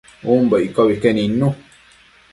umbo iccobi que nidnu